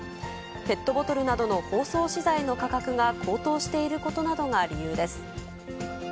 ペットボトルなどの包装資材の価格が高騰していることなどが理由です。